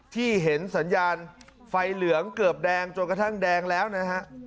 ที่เห็นสัญญาณไฟเหลืองเกือบแดงจนกระทั่งแดงแล้วนะฮะ